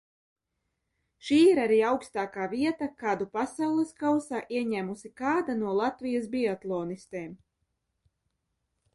Šī ir arī augstākā vieta, kādu Pasaules kausā ieņēmusi kāda no Latvijas biatlonistēm.